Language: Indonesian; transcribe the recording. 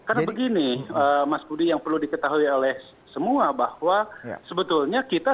karena begini mas budi yang perlu diketahui oleh semua bahwa sebetulnya kita